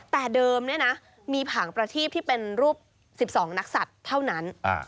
แต่เดิมเนี่ยนะมีผางประทีปที่เป็นรูป๑๒นักศัตริย์เท่านั้น